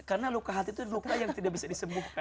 karena luka hati itu luka yang tidak bisa disembuhkan